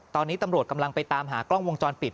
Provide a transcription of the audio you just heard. ตอนนี้ตำรวจกำลังไปตามหากล้องวงจรปิด